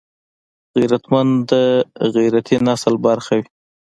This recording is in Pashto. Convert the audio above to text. غیرتمند د غیرتي نسل برخه وي